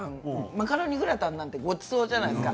マカロニグラタンなんてごちそうじゃないですか。